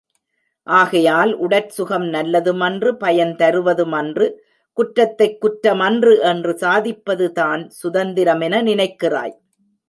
ஆகையால் உடற் சுகம் நல்லதுமன்று, பயன் தருவதுமன்று. குற்றத்தைக் குற்றமன்று என்று சாதிப்பதுதான் சுதந்திரம் என நினைக்கிறாய்.